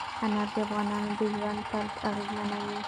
انار د افغانانو د ژوند طرز اغېزمنوي.